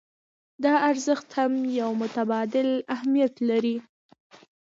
دا ارزښت هم يو متبادل اهميت لري.